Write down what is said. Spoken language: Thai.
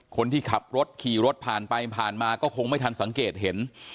คนที่ขับรถขี่รถผ่านไปผ่านมาก็คงไม่ทันสังเกตเห็น